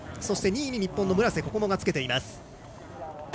そして２位に日本の村瀬心椛がつけています。